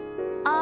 「あ」。